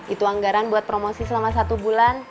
itu anggaran buat promosi selama satu bulan